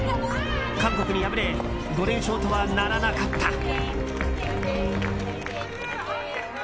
韓国に敗れ５連勝とはならなかった。